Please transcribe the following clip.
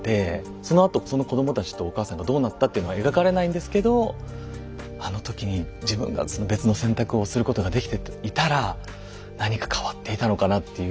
そのあとその子どもたちとお母さんがどうなったっていうのは描かれないんですけど「あの時に自分が別の選択をすることができていたら何か変わっていたのかな」っていう。